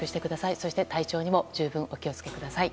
そして体調にも十分お気を付けください。